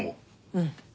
うん。